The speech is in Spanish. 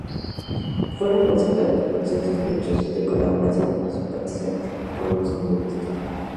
Fueron masacrados por ser sospechosos de colaborar o simpatizar con los comunistas.